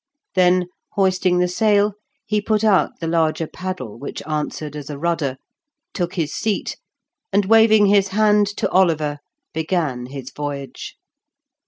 Then, hoisting the sail, he put out the larger paddle which answered as a rudder, took his seat, and, waving his hand to Oliver, began his voyage.